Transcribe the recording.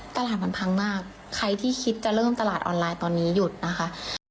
ตลาดมันพังมากใครที่คิดจะเริ่มตลาดออนไลน์ตอนนี้หยุดนะคะ